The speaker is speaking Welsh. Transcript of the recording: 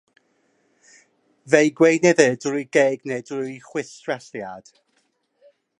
Fe'i gweinyddir drwy'r geg neu drwy chwistrelliad.